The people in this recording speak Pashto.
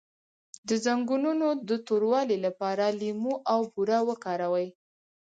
د زنګونونو د توروالي لپاره لیمو او بوره وکاروئ